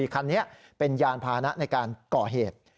คันนี้เป็นยานพานะในการก่อเหตุ